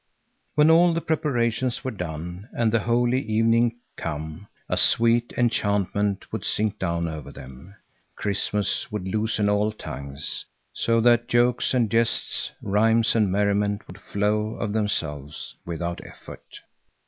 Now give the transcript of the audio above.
When all the preparations were done and the holy evening come, a sweet enchantment would sink down over them. Christmas would loosen all tongues, so that jokes and jests, rhymes and merriment would flow of themselves without effort.